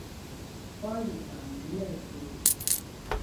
關越南語咩事